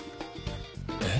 えっ？